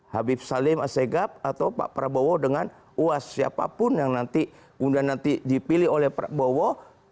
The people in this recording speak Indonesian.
habib salim asegab atau pak prabowo dengan uas siapapun yang nanti kemudian nanti dipilih oleh prabowo